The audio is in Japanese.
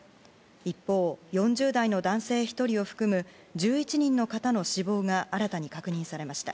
一方、４０代の男性１人を含む１１人の方の死亡が新たに確認されました。